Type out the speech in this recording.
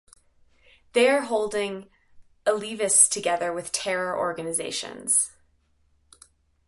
They are holding Alevis together with terror organizations.